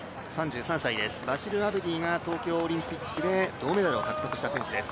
３３歳です、バシル・アブディが東京オリンピックで銅メダルを獲得した選手です。